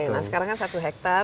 oke nah sekarang kan satu hektar